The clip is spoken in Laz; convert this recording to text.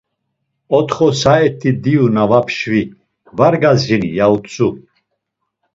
Otxo saet̆i diyu na var pşvi, var gazini! ya utzu.